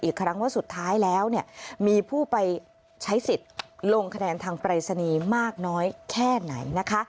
อีกครั้งว่าสุดท้ายแล้วเนี่ยมีผู้ไปใช้สิทธิ์ลงคะแนนทางปรายศนีย์มากน้อยแค่ไหนนะคะ